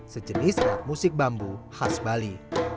sejenis alat musik bambu khas bali